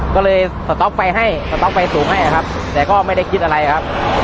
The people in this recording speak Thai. ก็เลยสต๊อกไฟให้สต๊อกไฟสูงให้ครับแต่ก็ไม่ได้คิดอะไรครับ